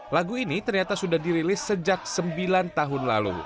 lagu ini ternyata sudah dirilis sejak sembilan tahun lalu